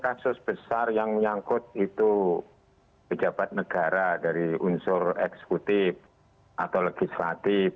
kasus besar yang menyangkut itu pejabat negara dari unsur eksekutif atau legislatif